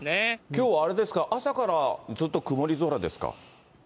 きょうあれですか、朝からずっと曇り空ですか。